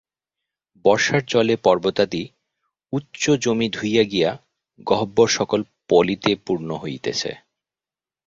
বর্ষার জলে পর্বতাদি উচ্চ জমি ধুইয়া গিয়া গহ্বরসকল পলিতে পূর্ণ হইতেছে।